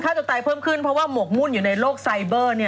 ตัวตายเพิ่มขึ้นเพราะว่าหมกมุ่นอยู่ในโลกไซเบอร์